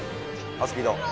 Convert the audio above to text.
あスピード。